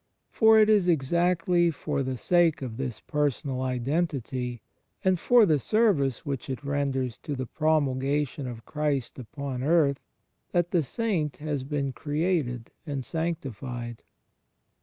For it is exactly for the sake of this personal identity, and for the service which it renders to the promulgation of Christ upon earth, that the saint has been created and sanctified.